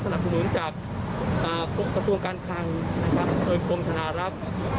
สนับสนุนจากข้อความคลักคลังโรงพยาบาลคุมพลังรับ